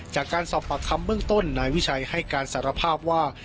จากการสอบปากคำเบื้องต้นนายวิชัยให้การสารภาพว่า